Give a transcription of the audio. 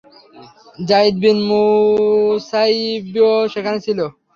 যারীদ বিন মুসাইয়্যিবও সেখানে ছিল।